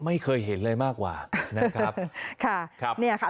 ไม่เคยเห็นเลยมากกว่านะครับ